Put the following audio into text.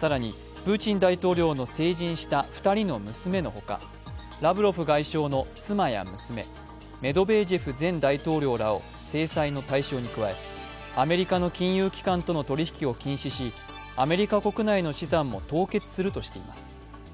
更に、プーチン大統領の成人した２人の娘のほか、ラブロフ外相の妻や娘メドベージェフ前大統領らを制裁の対象に加えアメリカの金融機関との取り引きを禁止し、アメリカ国内の資産も凍結するとしています。